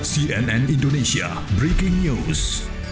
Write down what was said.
cnn indonesia breaking news